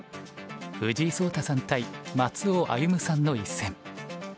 藤井聡太さん対松尾歩さんの一戦。